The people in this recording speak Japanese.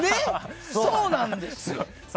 そうなんですよ！